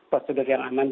prosedur yang aman